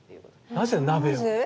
なぜ鍋を？